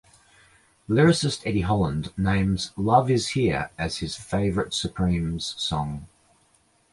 Lyricist Eddie Holland names "Love is Here" as his favorite Supremes song.